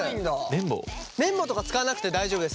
麺棒とか使わなくて大丈夫です。